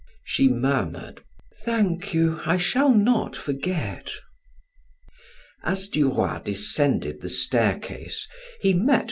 She murmured: "Thank you, I shall not forget." As Duroy descended the staircase, he met M.